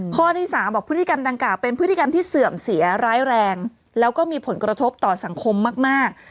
ข้อที่๓บอกพฤติกรรมดังกล่าวเป็นพฤติกรรมที่เสื่อมเสียร้ายแรงแล้วก็มีผลกระทบต่อสังคมมาก